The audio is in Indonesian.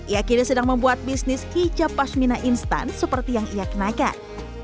ia kini sedang membuat bisnis kicap pasmina instan seperti yang ia kenakan